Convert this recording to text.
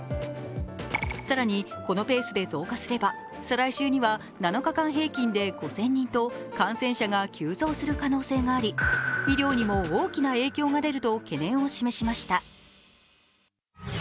更にこのペースで増加すれば再来週には７日間平均で５０００人と感染者が急増する可能性があり、医療にも大きな影響が出ると懸念を示しました。